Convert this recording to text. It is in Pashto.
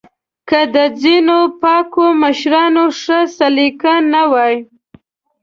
که د ځینو پاکو مشرانو ښه سلیقه نه وای